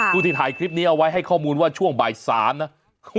ผู้ที่ถ่ายคลิปนี้เอาไว้ให้ข้อมูลว่าช่วงบ่าย๓นะ